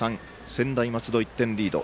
専大松戸、１点リード。